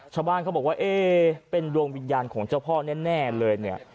ชาวบ้านเขาบอกว่าเอ๊เป็นดวงวิญญาณของเจ้าพ่อแน่เลยเนี่ย